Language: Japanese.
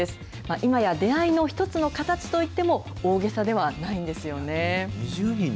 今や出会いの一つの形と言っても大げさではないんですよね。